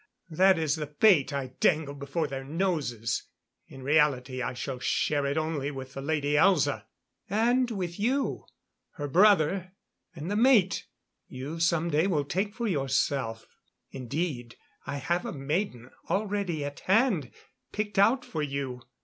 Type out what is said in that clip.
That is the bait I dangle before their noses. In reality, I shall share it only with the Lady Elza. And with you her brother, and the mate you some day will take for yourself. Indeed, I have a maiden already at hand, picked out for you....